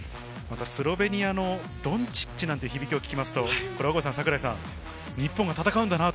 スロベニアのドンチッチっていう響きを聞きますと、日本が戦うんだなと。